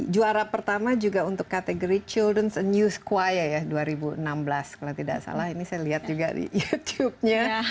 juara pertama juga untuk kategori childans a news choia ya dua ribu enam belas kalau tidak salah ini saya lihat juga di youtubenya